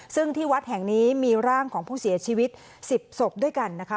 ซึ่งที่วัดแห่งนี้มีร่างของผู้เสียชีวิต๑๐ศพด้วยกันนะคะ